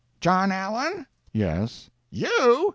"John Allen?" "Yes." "You?"